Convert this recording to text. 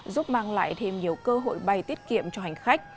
giúp mang lại thêm nhiều cơ hội bay tiết kiệm cho hành khách